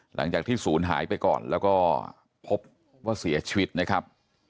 หลังจากที่ศูนย์หายไปก่อนแล้วก็พบว่าเสียชีวิตนะครับ